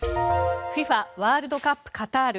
ＦＩＦＡワールドカップカタール。